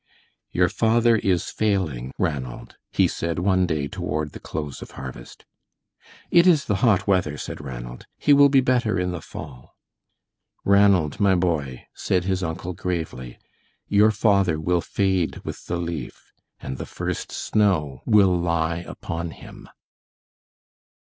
"Your father is failing, Ranald," he said one day toward the close of harvest. "It is the hot weather," said Ranald. "He will be better in the fall." "Ranald, my boy," said his uncle, gravely, "your father will fade with the leaf, and the first snow will lie upon him."